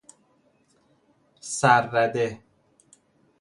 سررده